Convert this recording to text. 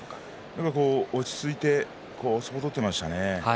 今日は落ち着いて相撲を取っていましたね。